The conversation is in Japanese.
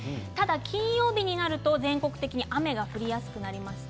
金曜日になると全国的に雨が降りやすくなります。